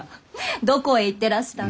どこへ行ってらしたの？